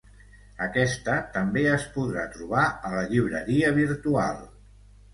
Aquesta, també es podrà trobar a la llibreria virtual.